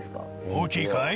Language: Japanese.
大きいかい？